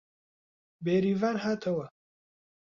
بێریڤان هاتەوە